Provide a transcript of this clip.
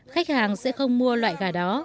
khách hàng sẽ không mua loại gà đó